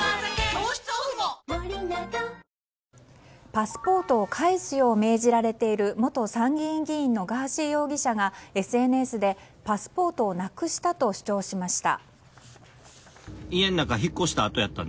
パスポートを返すよう命じられている元参議院議員のガーシー容疑者がＳＮＳでパスポートをなくしたと主張しました。